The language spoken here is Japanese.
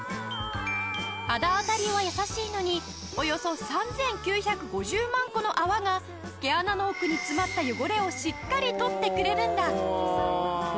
肌当たりは優しいのにおよそ３９５０万個の泡が毛穴の奥に詰まった汚れをしっかり取ってくれるんだ。